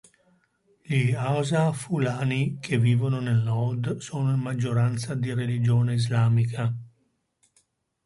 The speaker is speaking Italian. Gli Hausa-Fulani, che vivono nel nord, sono in maggioranza di religione islamica.